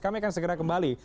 kami akan segera kembali